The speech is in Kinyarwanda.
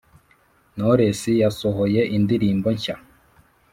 nkwoless yasohoye indirimbo nshya